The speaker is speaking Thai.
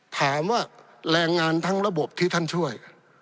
ถามว่าแรงงานทั้งระบบที่ท่านช่วย